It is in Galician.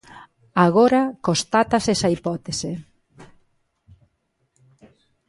Agora constátase esa hipótese.